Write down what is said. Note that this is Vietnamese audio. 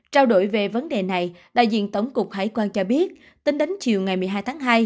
trao đổi về vấn đề này đại diện tổng cục hải quan cho biết tính đến chiều ngày một mươi hai tháng hai